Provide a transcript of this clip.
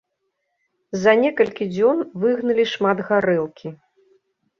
За некалькі дзён выгналі шмат гарэлкі.